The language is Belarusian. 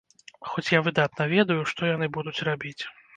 Хоць я выдатна ведаю, што яны будуць рабіць.